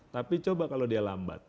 tapi coba kalau dia lambat